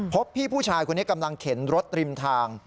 พี่ผู้ชายคนนี้กำลังเข็นรถริมทาง